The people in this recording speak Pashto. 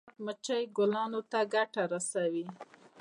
شات مچۍ ګلانو ته ګټه رسوي